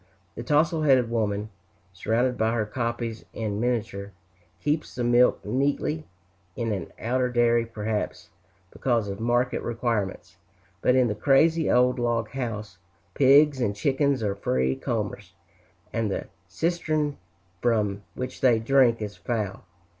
The tousle headed woman, surrounded by her copies in miniature, keeps the milk neatly, in an outer dairy, perhaps because of market requirements; but in the crazy old log house, pigs and chickens are free comers, and the cistern from which they drink is foul.